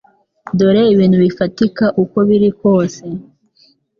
Dore ibintu bifatika uko biri kose